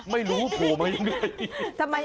ไม่รู้โผล่มาอย่างไร